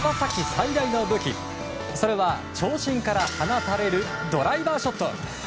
最大の武器それは長身から放たれるドライバーショット。